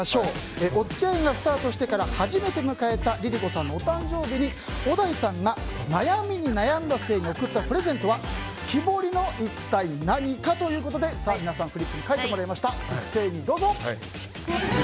お付き合いがスタートしてから初めて迎えたＬｉＬｉＣｏさんのお誕生日に小田井さんが悩みに悩んだ末に贈ったプレゼントは木彫りの一体何かということで皆さん、フリップを一斉にどうぞ。